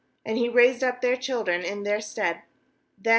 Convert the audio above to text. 7And He raised up their children in their stead; them.